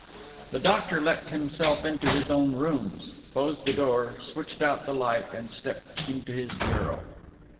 The doctor let himself into his own rooms, closed the door, switched out the light and stepped into his bureau.